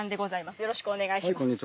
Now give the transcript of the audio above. よろしくお願いします。